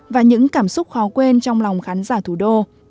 và những cảm xúc khó quên trong lòng khán giả thủ đô